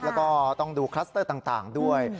แล้วก็ต้องดูคลัสเตอร์ต่างด้วย